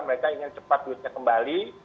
mereka ingin cepat duitnya kembali